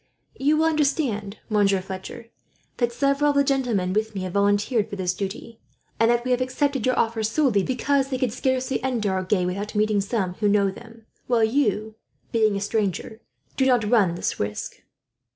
"You will understand, Monsieur Fletcher, that several of the gentlemen with me have volunteered for this duty, and that we have accepted your offer solely because they could scarcely enter Agen without meeting some who know them; while you, being a stranger, do not run this risk."